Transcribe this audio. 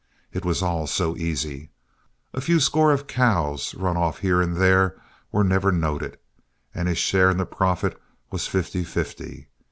It was all so easy. A few score of cows run off here and there were never noted, and his share in the profit was fifty fifty.